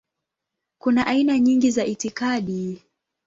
Kuna aina nyingi za itikadi.